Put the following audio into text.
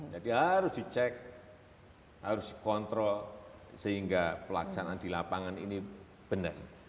jadi harus dicek harus kontrol sehingga pelaksanaan di lapangan ini benar